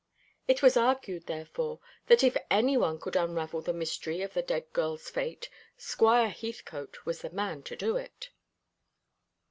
It was argued, therefore, that if any one could unravel the mystery of the dead girl's fate, Squire Heathcote was the man to do it.